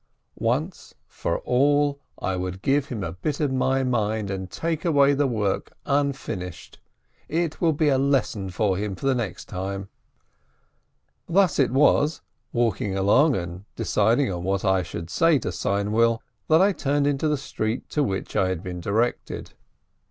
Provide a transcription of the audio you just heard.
Once for all, I would give him a bit of my mind, and take away the work unfinished — it will be a lesson for him for the next time ! Thus it was, walking along and deciding on what I should say to Seinwill, that I turned into the street to which I had been directed.